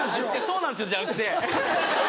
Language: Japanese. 「そうなんですよ」じゃなくて！